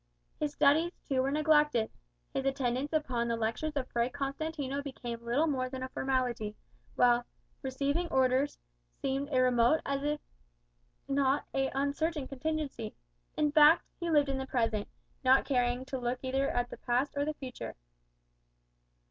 His studies, too, were neglected; his attendance upon the lectures of Fray Constantino became little more than a formality; while "receiving Orders" seemed a remote if not an uncertain contingency. In fact, he lived in the present, not caring to look either at the past or the future.